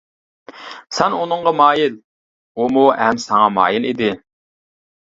سەن ئۇنىڭغا مايىل، ئۇمۇ ھەم ساڭا مايىل ئىدى.